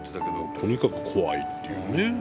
とにかく怖いっていうね。